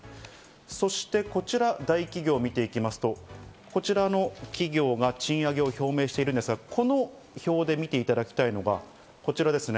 そしてこちら、大企業を見ていきますと、こちらの企業が賃上げを表明しているんですが、この表で見ていただきたいのがこちらですね。